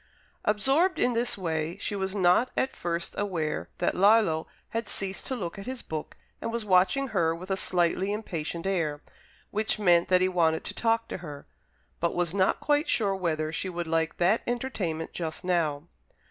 Absorbed in this way, she was not at first aware that Lillo had ceased to look at his book, and was watching her with a slightly impatient air, which meant that he wanted to talk to her, but was not quite sure whether she would like that entertainment just now.